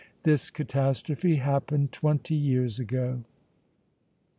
This catastrophe happened twenty years ago."